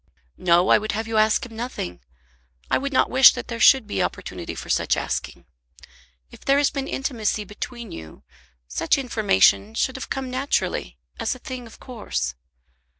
"No, I would have you ask him nothing. I would not wish that there should be opportunity for such asking. If there has been intimacy between you, such information should have come naturally, as a thing of course.